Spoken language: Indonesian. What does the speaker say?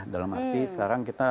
dalam arti sekarang kita